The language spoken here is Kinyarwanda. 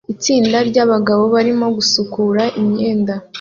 Itsinda ryabagabo barimo gusukura imyanda